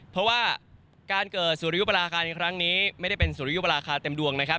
เพราะว่าการเกิดสุริยุปราคาในครั้งนี้ไม่ได้เป็นสุริยุปราคาเต็มดวงนะครับ